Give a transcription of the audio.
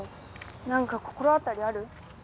なんか心当たりある？